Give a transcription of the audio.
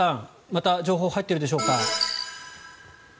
また情報が入っているでしょうか。